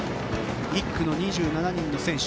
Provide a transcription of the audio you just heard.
１区の２７人の選手。